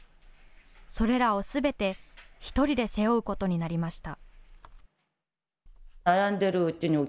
それらをすべて１人で背負うことになりました。